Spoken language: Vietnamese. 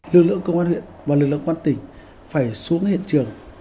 lực lượng công an huyện và lực lượng quan tỉnh phải xuống hiện trường